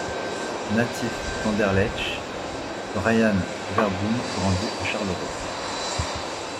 Natif d'Anderlecht, Bryan Verboom grandit à Charleroi.